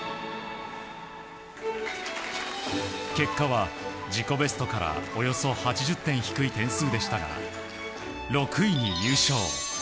結果は自己ベストからおよそ８０点低い点数でしたが６位入賞。